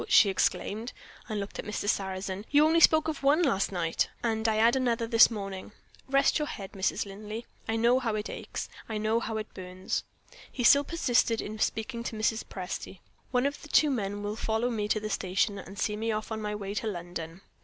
she exclaimed and looked at Mr. Sarrazin. "You only spoke of one last night." "And I add another this morning. Rest your poor head, Mrs. Linley, I know how it aches; I know how it burns." He still persisted in speaking to Mrs. Presty. "One of those two men will follow me to the station, and see me off on my way to London.